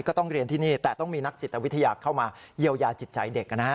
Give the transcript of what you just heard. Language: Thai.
ก็ต้องเรียนที่นี่แต่ต้องมีนักจิตวิทยาเข้ามาเยียวยาจิตใจเด็กนะฮะ